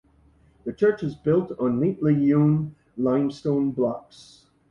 The church is built of neatly hewn limestone blocks.